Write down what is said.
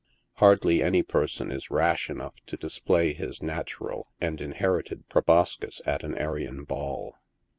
Hardly any person is rash enough to display his natural and inherited pro boscis at an Arion Ball.